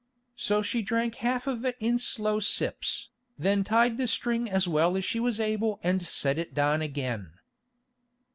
So she drank half of it in slow sips, then tied the string as well as she was able and set it down again.